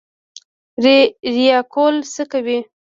ریا کول څه کوي؟